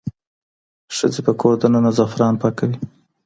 ښځې په کور دننه زعفران پاکوي.